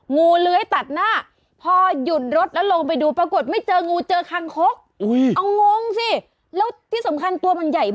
งูเลื้อยตัดหน้า